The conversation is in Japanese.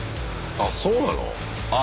あっそうなの？